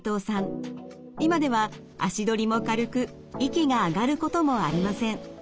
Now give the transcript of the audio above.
今では足取りも軽く息が上がることもありません。